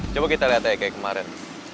coba kita lihat aja kayak kemarin